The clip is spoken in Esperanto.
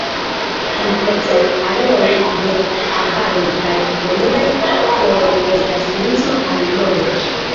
Ampleksaj areoj de arbaroj kaj koloraj floroj estas turisma allogo.